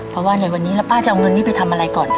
เพราะว่าในวันนี้แล้วป้าจะเอาเงินนี้ไปทำอะไรก่อน